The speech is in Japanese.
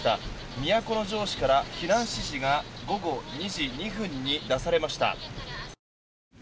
都城市から避難指示が午後２時２分に出されました。